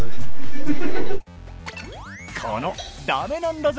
この「ダメなんだぜ」